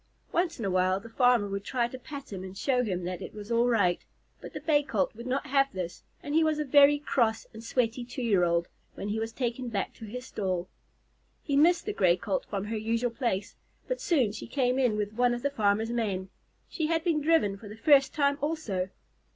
Once in a while the farmer would try to pat him and show him that it was all right, but the Bay Colt would not have this, and he was a very cross and sweaty two year old when he was taken back to his stall. He missed the Gray Colt from her usual place, but soon she came in with one of the farmer's men. She had been driven for the first time also.